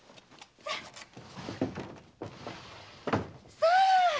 さあ！